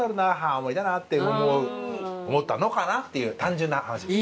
青森だな」って思ったのかなっていう単純な話です。